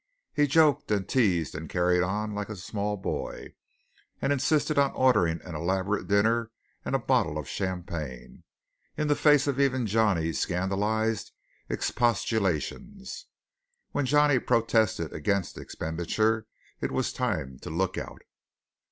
He joked and teased and carried on like a small boy; and insisted on ordering an elaborate dinner and a bottle of champagne, in the face of even Johnny's scandalized expostulations. When Johnny protested against expenditure, it was time to look out!